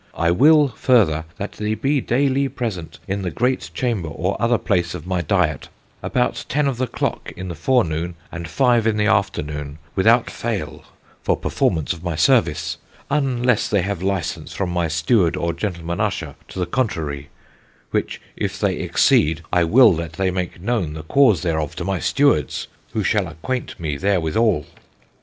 I will further that they be dayly presente in the greate chamber or other place of my dyett about tenn of the clocke in the forenoone and five in the afternoone without fayle for performance of my service, unles they have license from my Stewarde or Gentleman Usher to the contrarye, which if they exceede, I will that they make knowne the cause thereof to my Stewarde, who shall acquaynte me therewithall.